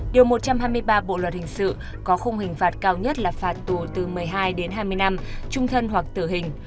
điều một trăm hai mươi ba bộ luật hình sự có khung hình phạt cao nhất là phạt tù từ một mươi hai đến hai mươi năm trung thân hoặc tử hình